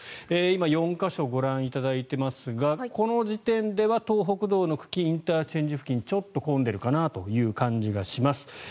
今、４か所ご覧いただいていますがこの時点では東北道の久喜ＩＣ付近ちょっと混んでいるかなという感じがします。